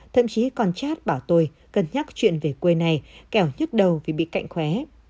thậm chí còn chat bảo tôi cần nhắc chuyện về quê này kéo nhức đầu vì bị cạnh khóe